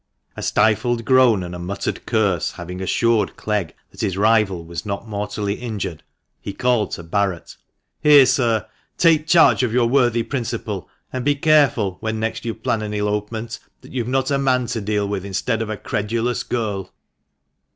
A stifled groan, and a muttered curse, having 364 THE MANCHESTER MAN. assured Clegg that his rival was not mortally injured, he called to Barret —" Here, sir, take charge of your worthy principal ; and be careful, when next you plan an elopement, that you have not a man to deal with instead of a credulous girl."